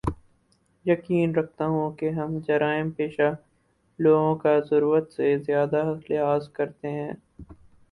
یقین رکھتا ہوں کے ہم جرائم پیشہ لوگوں کا ضرورت سے زیادہ لحاظ کرتے ہیں